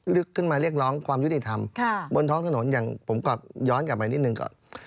ขึ้นมาเรียกร้องความยุติธรรมบนท้องถนนอย่างผมกลับย้อนกลับไปนิดหนึ่งก่อน